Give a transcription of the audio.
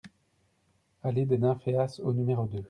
ALLEE DES NYMPHEAS au numéro deux